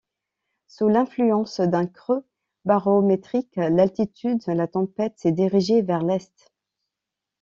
Sous l'influence d'un creux barométrique d'altitude, la tempête s'est dirigée vers l'est.